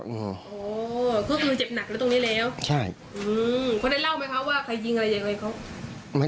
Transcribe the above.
เครื่องมือเจ็บหนักแล้วตรงนี้แล้วใช่อืมคนนั้นเล่าไหมคะว่าใครยิงอะไรยังไง